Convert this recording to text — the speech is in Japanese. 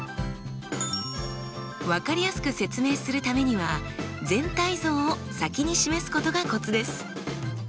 分かりやすく説明するためには全体像を先に示すことがコツです。